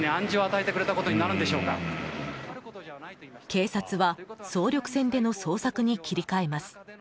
警察は、総力戦での捜索に切り替えます。